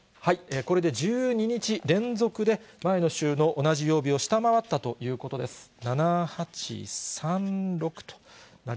これで１２日連続で、前の週の同じ曜日を下回ったということです。